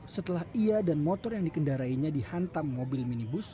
setelah ia dan motor yang dikendarainya dihantam mobil minibus